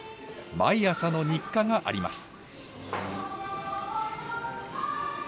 毎朝の日課があります。